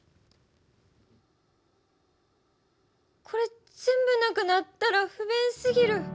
これ全部なくなったらふべんすぎる。